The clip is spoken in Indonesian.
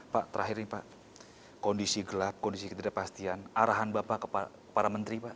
pak terakhir nih pak kondisi gelap kondisi ketidakpastian arahan bapak ke para menteri pak